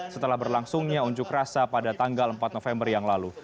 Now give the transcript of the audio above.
setelah berlangsungnya unjuk rasa pada tanggal empat november yang lalu